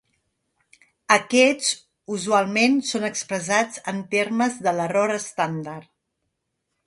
Aquests usualment són expressats en termes de l'error estàndard.